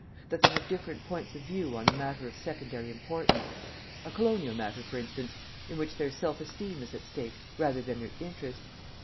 . that they have different points of view on a matter of secondary importance ... a colonial matter, for instance, in which their self esteem is at stake rather than their interest.